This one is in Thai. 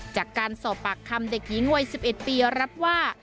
จากการสอบปากคำเด็กหญิงวัย๑๑ปีรับว่า